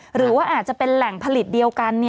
หรือว่าอาจจะเป็นแหล่งผลิตเดียวกัน